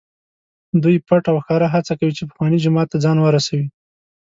دوی پټ او ښکاره هڅه کوي چې پخواني جومات ته ځان ورسوي.